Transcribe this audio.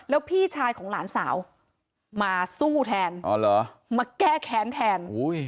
แล้วพี่ชายของหลานสาวมาสู้แทนอ๋อเหรอมาแก้แค้นแทนโอ้ย